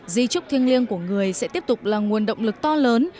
di trúc thiêng liêng của người sẽ tiếp tục là nguồn động lực to lớn